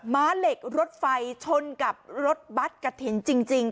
ม้าเหล็กรถไฟชนกับรถบัตรกระถิ่นจริง